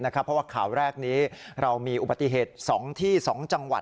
เพราะว่าข่าวแรกนี้เรามีอุบัติเหตุ๒ที่๒จังหวัด